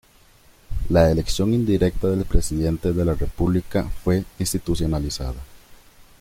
La elección indirecta del presidente de la República fue institucionalizada.